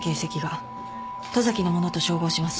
十崎のものと照合します。